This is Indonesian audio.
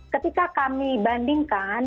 ketika kami bandingkan